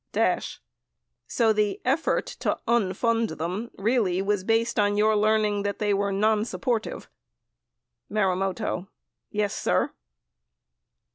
Dash. So the effort to unfund them, really, was based on your learning that they were nonsupportive ? Marumoto. Yes, sir.